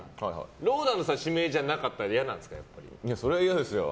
ＲＯＬＡＮＤさん指名じゃなかったら嫌ですか？